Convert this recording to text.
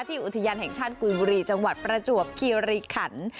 อุทยานแห่งชาติกุยบุรีจังหวัดประจวบคีรีขัน